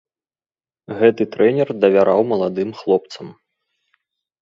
Гэты трэнер давяраў маладым хлопцам.